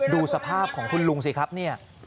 ดูสภาพของคุณลุงสิครับเนี่ย